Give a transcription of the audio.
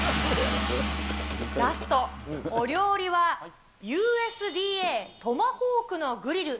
ラスト、お料理はＵＳＤＡトマホークのグリル。